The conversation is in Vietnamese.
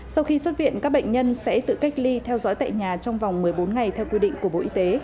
sau khi xuất viện các bệnh nhân sẽ tự cách ly theo dõi tại nhà trong vòng một mươi bốn ngày theo quy định của bộ y tế